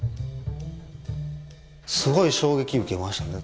すごい衝撃受けましたね。